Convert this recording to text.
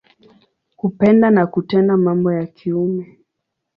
Kupenda na kutenda mambo ya kiume.